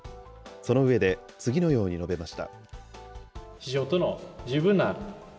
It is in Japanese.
その上で、次のように述べました。